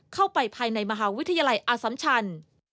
เข้าไปภายในมหาวิทยาลัยอสัมชัน